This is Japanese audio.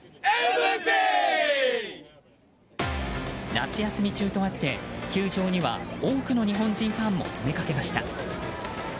夏休み中とあって球場には多くの日本人ファンも詰めかけました。